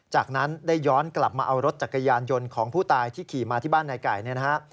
จากนั้นได้ย้อนกลับมาเอารถจักรยานยนต์ของผู้ตายที่ขี่มาที่บ้านนายไก่เนี่ยนะฮะ